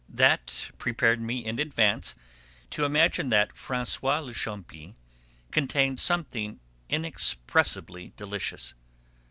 That prepared me in advance to imagine that François le Champi contained something inexpressibly delicious.